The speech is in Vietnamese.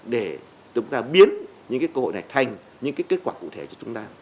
để chúng ta biến những cơ hội này thành những kết quả cụ thể cho chúng ta